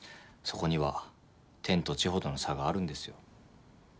そこには天と地ほどの差があるんですよ。